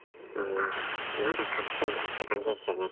まだ隠すのかって感じですよね。